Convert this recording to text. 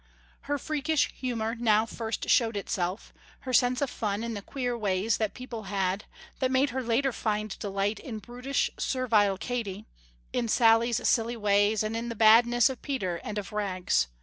Her freakish humor now first showed itself, her sense of fun in the queer ways that people had, that made her later find delight in brutish servile Katy, in Sally's silly ways and in the badness of Peter and of Rags.